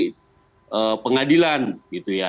di pengadilan gitu ya